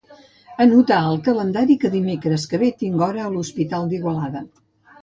Anotar al calendari que el dimecres que ve tinc hora a l'Hospital d'Igualada.